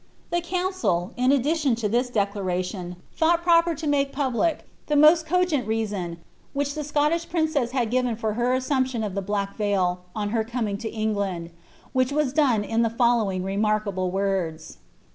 ^ The council, in addition to this declaration, thought proper to make public the most cogent reason which the Scottish princess had given for her assumption of the black veil, on her coming to England ; which was done in the following remarkable words.'